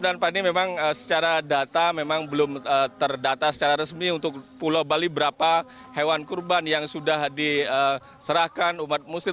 dan fani memang secara data memang belum terdata secara resmi untuk pulau bali berapa hewan kurban yang sudah diserahkan umat muslim